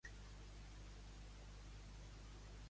L'ondulada boca de la petxina i un nadó adormit a l'interior.